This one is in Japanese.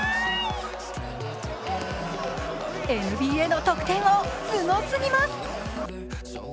ＮＢＡの得点王、すごすぎます。